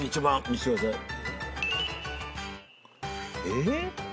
えっ？